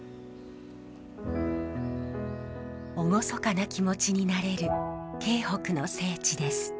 厳かな気持ちになれる京北の聖地です。